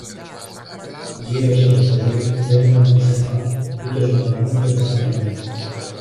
Γύρεψα το παιδί, δεν ήταν πουθενά, ούτε ζωντανό ούτε πεθαμένο